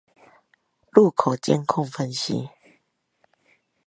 路口監控分析